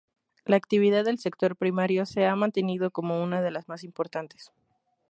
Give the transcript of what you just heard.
La actividad del sector primario se ha mantenido como una de las más importantes.